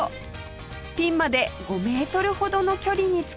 ピンまで５メートルほどの距離につけました！